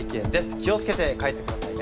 気を付けて帰ってくださいね。